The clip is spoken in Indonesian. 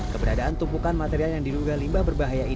keberadaan tumpukan material yang diduga limbah berbahaya ini